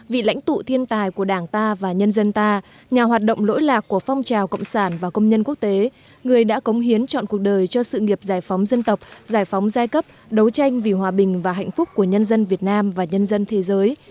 vị lãnh tụ thiên tài của đảng ta và nhân dân ta nhà hoạt động lỗi lạc của phong trào cộng sản và công nhân quốc tế người đã cống hiến chọn cuộc đời cho sự nghiệp giải phóng dân tộc giải phóng giai cấp đấu tranh vì hòa bình và hạnh phúc của nhân dân việt nam và nhân dân thế giới